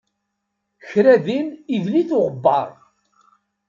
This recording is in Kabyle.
Kra din idel-it uɣebbar.